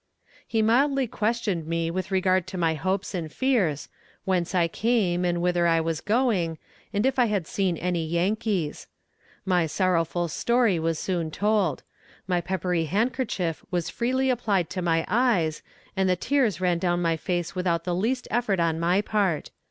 He mildly questioned me with regard to my hopes and fears, whence I came and whither I was going, and if I had seen any Yankees. My sorrowful story was soon told. My peppery handkerchief was freely applied to my eyes, and the tears ran down my face without the least effort on my part.